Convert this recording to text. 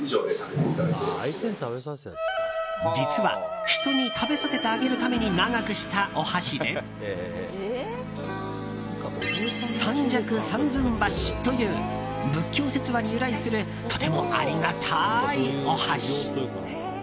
実は人に食べさせてあげるために長くしたお箸で三尺三寸箸という仏教説話に由来するとてもありがたいお箸。